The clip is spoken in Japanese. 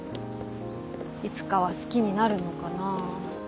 いつかは好きになるのかな。